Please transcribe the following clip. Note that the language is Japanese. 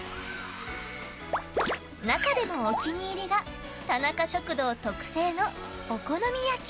中でもお気に入りが田中食堂特製のお好み焼き。